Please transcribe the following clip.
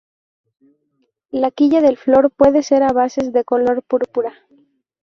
La quilla del flor puede ser a veces de color púrpura.